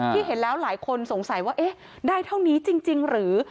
เห็นแล้วหลายคนสงสัยว่าเอ๊ะได้เท่านี้จริงหรือ